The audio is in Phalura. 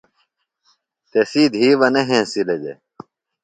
تسی دِھی بہ نہ ہینسِلیۡ دےۡ۔